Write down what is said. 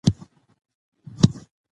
که مطالعه وکړو نو فکر نه زنګ کیږي.